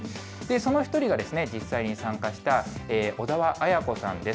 その一人が、実際に参加した小澤綾子さんです。